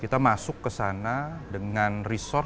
kita masuk ke sana dengan resort